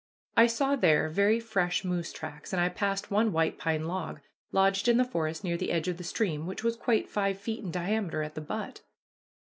I saw there very fresh moose tracks, and I passed one white pine log, lodged in the forest near the edge of the stream, which was quite five feet in diameter at the butt.